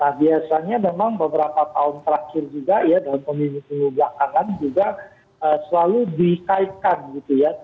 nah biasanya memang beberapa tahun terakhir juga ya dalam pemilu pemilu belakangan juga selalu dikaitkan gitu ya